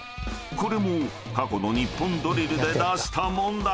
［これも過去の『ニッポンドリル』で出した問題］